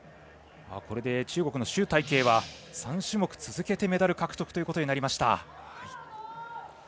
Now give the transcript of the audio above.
これで中国の朱大慶は３種目続けてメダル獲得ということになりました。